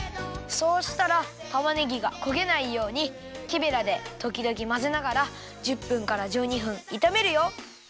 そうしたらたまねぎがこげないようにきベラでときどきまぜながら１０分から１２分いためるよ。